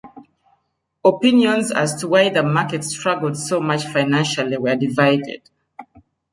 Opinions as to why the market struggled so much financially were divided.